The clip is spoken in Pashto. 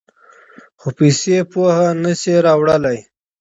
خو پیسې پوهه نه شي راوړلی.